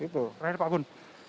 terakhir pak gun